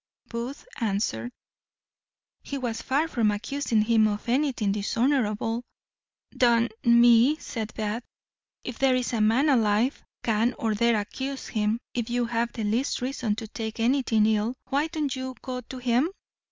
Booth answered, "He was far from accusing him of anything dishonourable." "D n me," said Bath, "if there is a man alive can or dare accuse him: if you have the least reason to take anything ill, why don't you go to him?